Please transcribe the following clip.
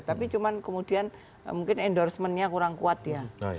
tapi cuma kemudian mungkin endorsementnya kurang kuat ya